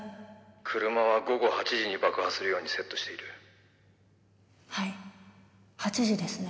「車は午後８時に爆破するようにセットしている」はい８時ですね？